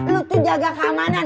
lu tuh jaga keamanan